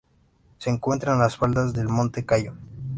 Se encuentra en las faldas del Monte Cayo.